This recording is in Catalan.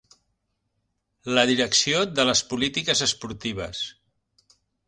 La direcció de les polítiques esportives.